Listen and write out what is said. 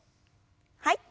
はい。